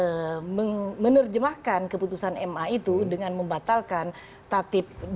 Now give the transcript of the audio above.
dan menerjemahkan keputusan ma itu dengan membatalkan tatib dpd